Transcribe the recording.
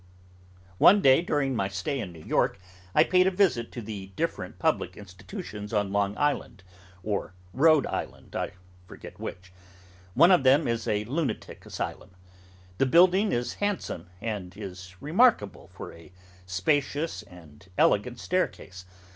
One day, during my stay in New York, I paid a visit to the different public institutions on Long Island, or Rhode Island: I forget which. One of them is a Lunatic Asylum. The building is handsome; and is remarkable for a spacious and elegant staircase.